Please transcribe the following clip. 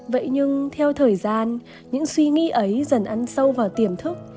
vậy nhưng theo thời gian những suy nghĩ ấy dần ăn sâu vào tiềm thức